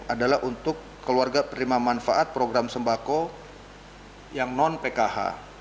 adalah untuk keluarga penerima manfaat program sembako yang non pkh